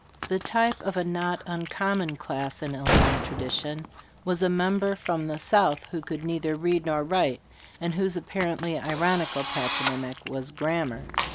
The type of a not uncommon class in Illinois tradition was a member from the South who could neither read nor write, and whose apparently ironical patronymic was Grammar.